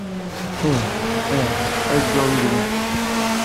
Ih, ih, ad dduɣ yid-went.